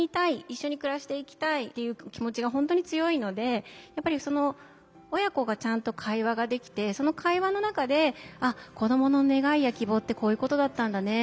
一緒に暮らしていきたいという気持ちが本当に強いのでやっぱり親子がちゃんと会話ができてその会話の中で「子どもの願いや希望ってこういうことだったんだね」。